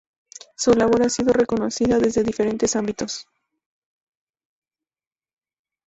Su labor ha sido reconocida desde diferentes ámbitos.